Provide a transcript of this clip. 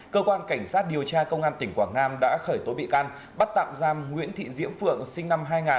cơ quan cảnh sát điều tra công an tỉnh quảng nam đã khởi tố bị can bắt tạm giam nguyễn thị diễm phượng sinh năm hai nghìn